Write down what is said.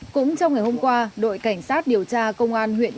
cũng trong ngày hôm qua đội cảnh sát điều tra công an huyện yên định